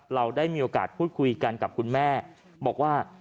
เราได้มีโอกาสพูดคุยกันกับคุณแม่บอกว่า